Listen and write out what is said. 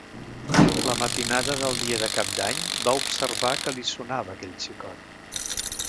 La matinada del dia de cap d'any va observar que li sonava aquell xicot.